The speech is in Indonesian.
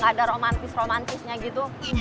ada romantis romantisnya gitu